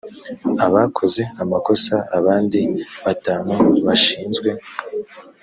abakoze amakosa abandi batanu bashinzwe